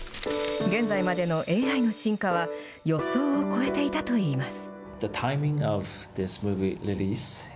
現在までのＡＩの進化は、予想を超えていたといいます。